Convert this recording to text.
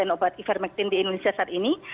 jadi cara kita membuat ivermectin di indonesia saat ini